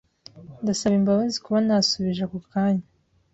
Ndasaba imbabazi kuba ntasubije ako kanya.